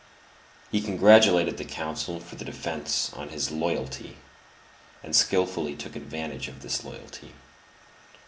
He congratulated the counsel for the defence on his "loyalty," and skilfully took advantage of this loyalty.